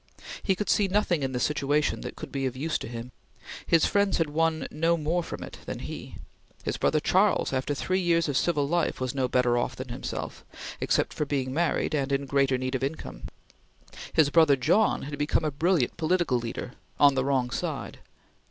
He could see nothing in the situation that could be of use to him. His friends had won no more from it than he. His brother Charles, after three years of civil life, was no better off than himself, except for being married and in greater need of income. His brother John had become a brilliant political leader on the wrong side.